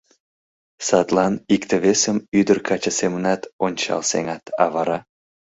Садлан икте-весым ӱдыр-каче семынат ончал сеҥат, а вара...